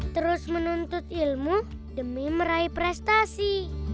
terus menuntut ilmu demi meraih prestasi